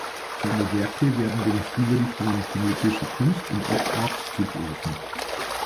Seine Werke werden den Stilrichtungen kinetische Kunst und Op-Art zugeordnet.